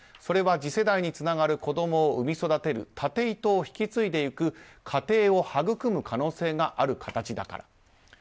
それは次世代につながる子供を産み育てる経糸を引き継いでいく家庭を育む可能性がある形だから。